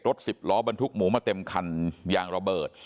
สิบล้อบรรทุกหมูมาเต็มคันยางระเบิด